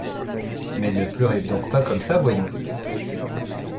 Mais ne pleurez donc pas comme ça, voyons !